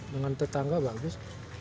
dengan tetangga bagus